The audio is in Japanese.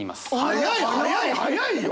早い早い早いよ！